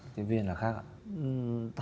tiếp viên là khác ạ